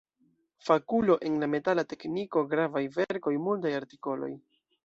Fakulo en la metala tekniko; gravaj verkoj, multaj artikoloj.